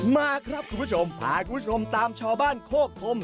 มาครับคุณผู้ชมพาคุณผู้ชมตามชาวบ้านโคกธม